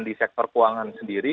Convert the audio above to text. di sektor keuangan sendiri